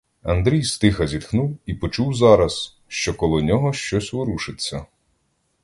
Андрій стиха зітхнув і почув зараз, що коло нього щось ворушиться.